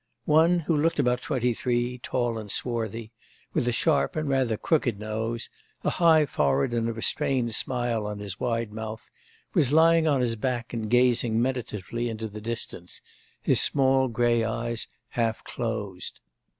One, who looked about twenty three, tall and swarthy, with a sharp and rather crooked nose, a high forehead, and a restrained smile on his wide mouth, was lying on his back and gazing meditatively into the distance, his small grey eyes half closed.